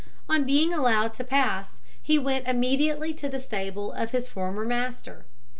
On being allowed to pass, he went immediately to the stable of his former master.